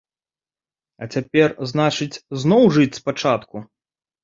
А цяпер, значыць, зноў жыць спачатку.